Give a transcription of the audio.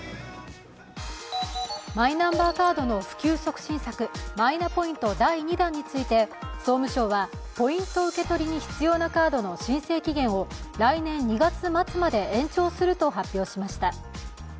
マイナンバーカードの普及促進策、マイナポイント第２弾について総務省は、ポイント受け取りに必要なカードの申請起源を来年２月末まで延長すると発表しました。